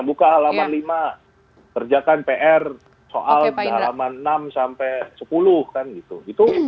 buka alaman lima kerjakan pr soal alaman enam sampai sepuluh